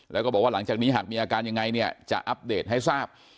แล้วก็บอกว่าหลังจากนี้หากมีอาการยังไงเนี่ยจะอัปเดตให้ทราบ